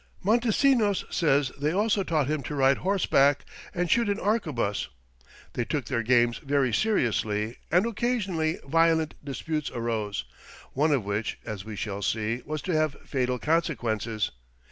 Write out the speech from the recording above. Montesinos says they also taught him to ride horseback and shoot an arquebus. They took their games very seriously and occasionally violent disputes arose, one of which, as we shall see, was to have fatal consequences.